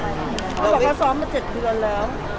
เขาบอกว่าซ้อมมา๗เดือนแล้ว